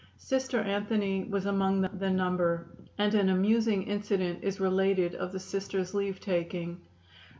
Sister Anthony was among the number, and an amusing incident is related of the Sisters' leave taking.